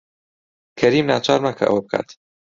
کەریم ناچار مەکە ئەوە بکات.